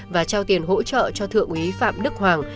và trao tiền hỗ trợ cho thượng úy phạm đức hoàng